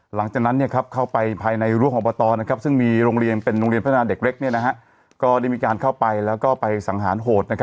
หลังจากนั้นเข้าไปภายในรวบอบต